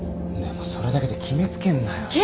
でもそれだけで決め付けんなよ。